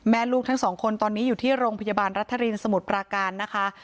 ลูกทั้งสองคนตอนนี้อยู่ที่โรงพยาบาลรัฐรินสมุทรปราการนะคะ